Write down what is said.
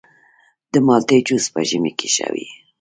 د مالټې جوس په ژمي کې ښه وي.